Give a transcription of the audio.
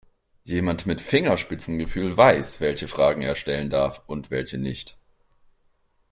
Jemand mit Fingerspitzengefühl weiß, welche Fragen er stellen darf und welche nicht.